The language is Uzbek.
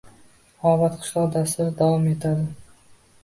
“Obod qishloq” dasturi davom etadi